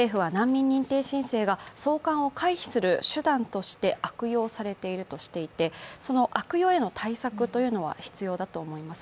政府は難民認定申請が送還を回避する手段として悪用されているとしていて、その悪用への対策というのは必要だと思います。